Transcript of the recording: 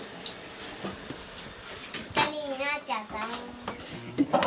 ２人になっちゃったもん。